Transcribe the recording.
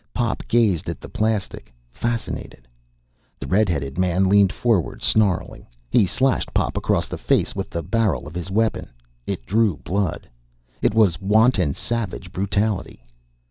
Pop gazed at the plastic, fascinated. The red headed man leaned forward, snarling. He slashed Pop across the face with the barrel of his weapon. It drew blood. It was wanton, savage brutality.